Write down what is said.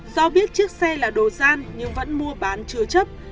do biết chiếc xe là đồ gian nhưng vẫn mua bán chứa chấp